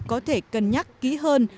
có thể cân nhắc kỹ hơn